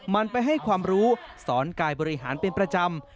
มันไปให้ความรู้สอนกายบริหารเป็นประจำ